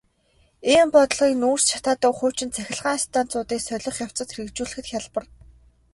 Ийм бодлогыг нүүрс шатаадаг хуучин цахилгаан станцуудыг солих явцад хэрэгжүүлэхэд хялбар.